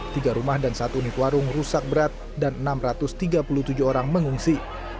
tiga rumah dan satu unit warung rusak berat dan enam ratus tiga puluh tujuh orang mengungsi